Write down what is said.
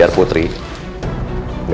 aku mau pergi